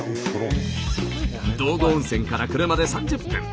道後温泉から車で３０分。